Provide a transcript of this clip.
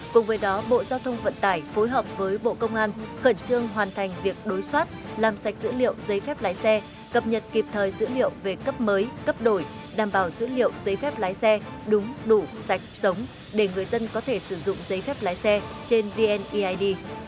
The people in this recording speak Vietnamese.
cùng với đó bộ giao thông vận tải phối hợp với bộ công an khẩn trương hoàn thành việc đối soát làm sạch dữ liệu giấy phép lái xe cập nhật kịp thời dữ liệu về cấp mới cấp đổi đảm bảo dữ liệu giấy phép lái xe đúng đủ sạch sống để người dân có thể sử dụng giấy phép lái xe trên vneid